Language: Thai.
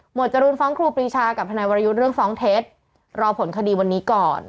จรูนฟ้องครูปรีชากับทนายวรยุทธ์เรื่องฟ้องเท็จรอผลคดีวันนี้ก่อน